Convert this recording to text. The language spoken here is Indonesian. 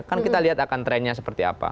kan kita lihat akan trendnya seperti apa